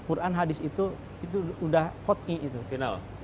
quran hadis itu sudah final